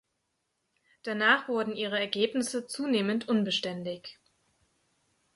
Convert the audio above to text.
Danach wurden ihre Ergebnisse zunehmend unbeständig.